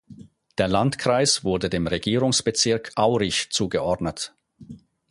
Der Landkreis wurde dem Regierungsbezirk Aurich zugeordnet.